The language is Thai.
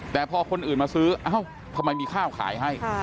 แต่พอคนอื่นมาซื้อเอ้าทำไมมีข้าวขายให้